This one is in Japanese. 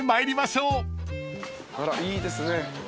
あらいいですね。